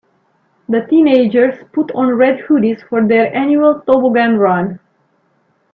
The teenagers put on red hoodies for their annual toboggan run.